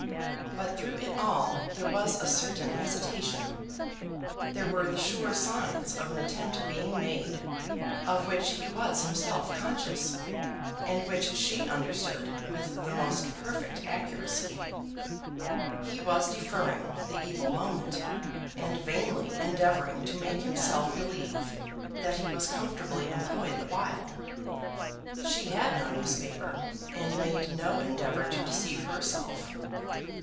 But through it all there was a certain hesitation, there were the sure signs of an attempt being made, of which he was himself conscious, and which she understood with the most perfect accuracy. He was deferring the evil moment, and vainly endeavouring to make himself believe that he was comfortably employed the while. She had no newspaper, and made no endeavour to deceive herself.